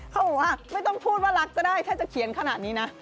เขาบอกว่าไม่ต้องพูดว่ารักก็ได้ถ้าจะเขียนขนาดนี้นะ